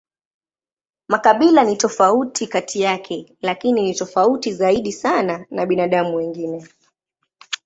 Makabila ni tofauti kati yake, lakini ni tofauti zaidi sana na binadamu wengine.